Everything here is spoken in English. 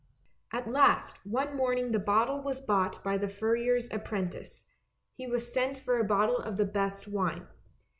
At last one morning the bottle was bought by the furrier's apprentice; he was sent for a bottle of the best wine.